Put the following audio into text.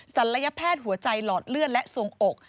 ศัลยแพทย์หัวใจหลอดเลือดและทรงอก